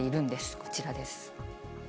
こちらです。